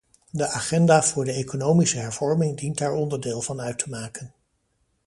De agenda voor de economische hervorming dient daar onderdeel van uit te maken.